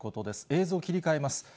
映像切り替えます。